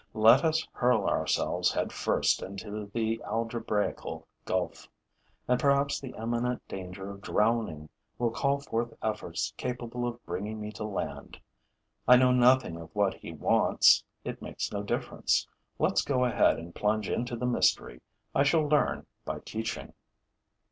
Let us hurl ourselves head first into the algebraical gulf; and perhaps the imminent danger of drowning will call forth efforts capable of bringing me to land. I know nothing of what he wants. It makes no difference: let's go ahead and plunge into the mystery. I shall learn by teaching.